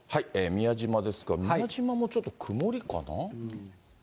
宮島ですけど、宮島もちょっと曇りかな？